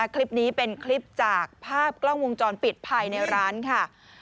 คลิปนี้เป็นคลิปจากภาพกล้องวงจรปิดภายในร้านค่ะ